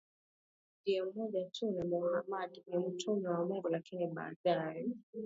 ndiye mmoja tu na Mohamad ni mtume wa Mungu Lakini baadaye